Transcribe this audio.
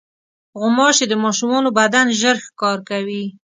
غوماشې د ماشومانو بدن ژر ښکار کوي.